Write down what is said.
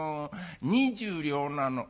２０両なの」。